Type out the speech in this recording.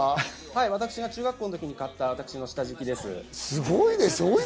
私が中学校の時に買った下敷きです。